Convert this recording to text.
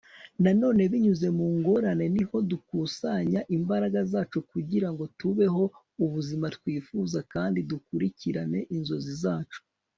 na none binyuze mu ngorane niho dukusanya imbaraga zacu kugira ngo tubeho ubuzima twifuza kandi dukurikirane inzozi zacu